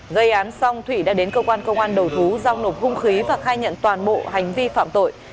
gây án xong thụy đã đến cơ quan công an đầu thú giao nộp hung khí và khai nhận toàn bộ hành vi phạm tội